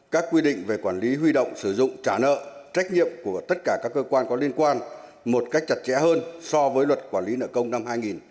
các quy định về quản lý huy động sử dụng trả nợ trách nhiệm của tất cả các cơ quan có liên quan một cách chặt chẽ hơn so với luật quản lý nợ công năm hai nghìn một mươi